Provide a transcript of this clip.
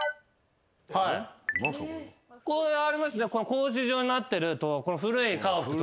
格子状になってる戸古い家屋とかに。